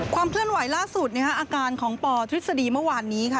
เคลื่อนไหวล่าสุดอาการของปทฤษฎีเมื่อวานนี้ค่ะ